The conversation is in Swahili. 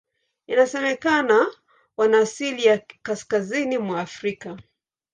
Inasemekana wana asili ya Kaskazini mwa Afrika.